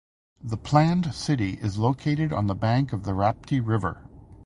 The planned city is located on the bank of Rapti River.